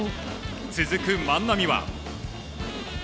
続く万波は。